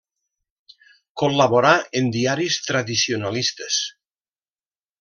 Col·laborà en diaris tradicionalistes.